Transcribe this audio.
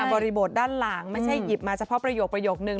บริบทด้านหลังไม่ใช่หยิบมาเฉพาะประโยคนึง